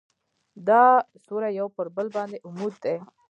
دا سوري یو پر بل باندې عمود دي.